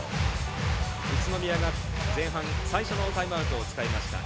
宇都宮が前半最初のタイムアウトを使いました。